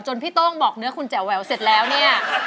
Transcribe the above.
พี่โต้งบอกเนื้อคุณแจ๋วแหววเสร็จแล้วเนี่ย